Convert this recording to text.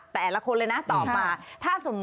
แต่ละคนเลยนะตอบมา